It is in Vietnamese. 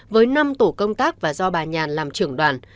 với năm tổ công tác và do bà nhàn làm trưởng đoàn